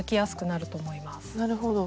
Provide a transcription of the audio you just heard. なるほど。